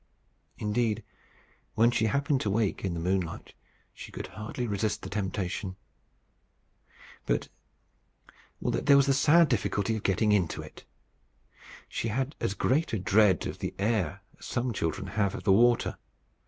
Indeed, when she happened to wake in the moonlight she could hardly resist the temptation. But there was the sad difficulty of getting into it. She had as great a dread of the air as some children have of the water.